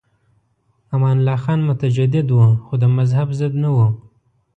امان الله خان متجدد و خو د مذهب ضد نه و.